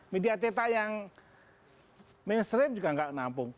media ceta yang mainstream juga nggak menampung